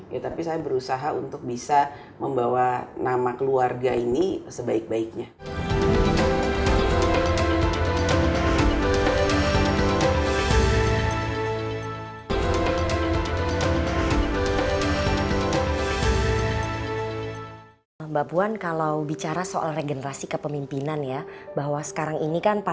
ya tapi saya berusaha untuk bisa membawa nama keluarga ini sebaik baiknya